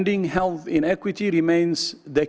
kesehatan dalam keuntungan tetap adalah